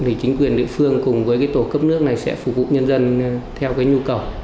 thì chính quyền địa phương cùng với cái tổ cấp nước này sẽ phục vụ nhân dân theo cái nhu cầu